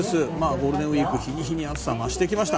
ゴールデンウィーク日に日に暑さが増してきました。